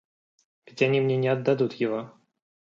Ведь они мне не отдадут его.